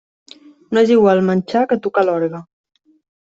No és igual manxar que tocar l'orgue.